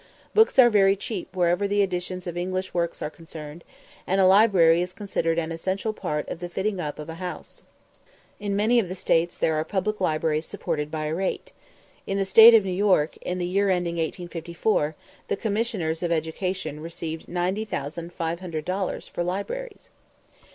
Books are very cheap wherever the editions of English works are concerned, and a library is considered an essential part of the fitting up of a house. In many of the States there are public libraries supported by a rate. In the State of New York, in the year ending 1854, the Commissioners of Education received 90,579 dollars for libraries.